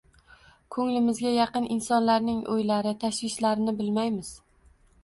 Ko‘nglimizga yaqin insonlarning o‘ylari, tashvishlarini bilmaymiz.